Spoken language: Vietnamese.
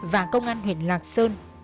và công an huyện lạc sơn